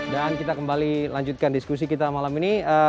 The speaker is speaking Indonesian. dan kita kembali lanjutkan diskusi kita malam ini